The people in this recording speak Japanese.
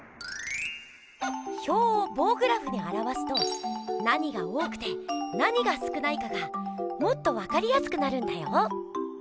表をぼうグラフにあらわすと何が多くて何が少ないかがもっとわかりやすくなるんだよ。